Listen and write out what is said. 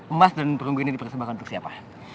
emas dan perunggu ini dipersembahkan untuk siapa